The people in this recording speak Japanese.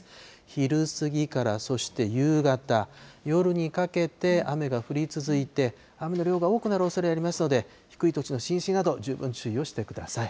昼過ぎから、そして夕方、夜にかけて雨が降り続いて、雨の量が多くなるおそれがありますので、低い土地の浸水など、十分注意をしてください。